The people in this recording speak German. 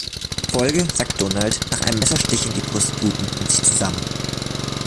Folge sackt Donald nach einem Messerstich in die Brust blutend in sich zusammen.